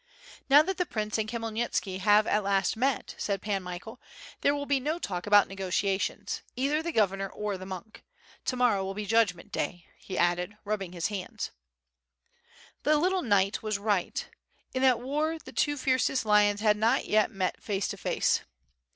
"Now that the prince and Khmyelnitski have at last met/' said Pan Michael, "there will be no talk about negotiations. Either the governor or the monk. To morrow will be judg ment day/' he added rubbing his hands. The little knight was right, in that war the two fiercest lions had not yet met face to face.